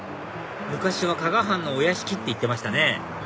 昔は加賀藩のお屋敷って言ってましたね